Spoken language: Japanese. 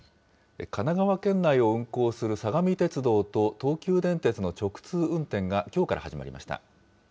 神奈川県内を運行する相模鉄道と東急電鉄の直通運転が、きょうから始まりました。